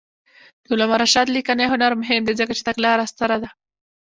د علامه رشاد لیکنی هنر مهم دی ځکه چې تګلاره ستره ده.